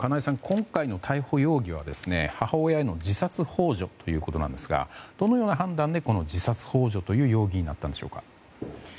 今回の逮捕容疑は母親への自殺幇助ということですがどのような判断で自殺幇助という容疑になったんでしょうか。